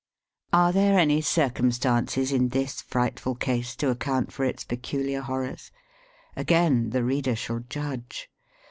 Are there any circumstances in this fright ful case, to account for its peculiar horrors 1 Again, the reader shall judge.